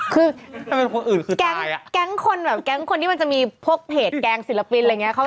คือแก๊งคนแบบแก๊งคนที่มันจะมีพวกเพจแก่งศิลปินอะไรแบบเนี้ย